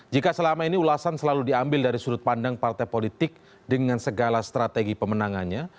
jika selama ini ulasan selalu diambil dari sudut pandang partai politik dengan segala strategi pemenangannya